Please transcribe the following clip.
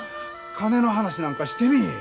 金の話なんかしてみい。